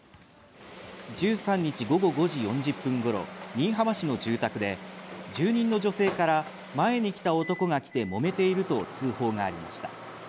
１３日午後５時４０分頃、新居浜市の住宅で住人の女性から前に来た男が来て、もめていると通報がありました。